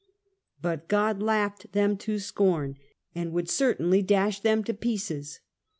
But God laughed them to scorn, and would certainly dash them to pieces.